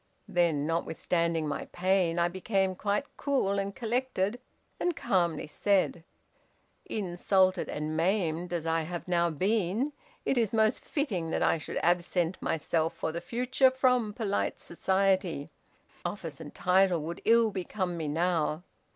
Then, notwithstanding my pain, I became quite cool and collected, and calmly said, 'insulted and maimed as I have now been, it is most fitting that I should absent myself for the future from polite society. Office and title would ill become me now.